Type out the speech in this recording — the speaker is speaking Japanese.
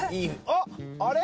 あっあれ？